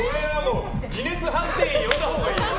ギネス判定員呼んだほうがいいよ。